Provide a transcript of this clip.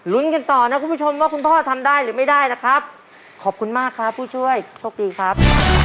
กันต่อนะคุณผู้ชมว่าคุณพ่อทำได้หรือไม่ได้นะครับขอบคุณมากครับผู้ช่วยโชคดีครับ